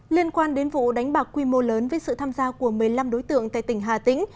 liên quan đến vụ đánh bạc quy mô lớn với sự tham gia của một mươi năm đối tượng tại tỉnh hà tĩnh